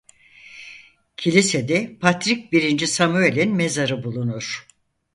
Kilisede Patrik birinci Samuel'in mezarı bulunur.